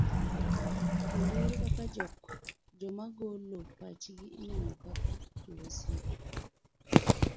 Kendo ere kaka joma golo pachgi ineno kaka jo wasigu?